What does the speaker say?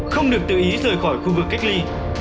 không được tự ý rời khỏi khu vực cách ly